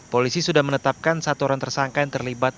polisi sudah menetapkan satu orang tersangka yang terlibat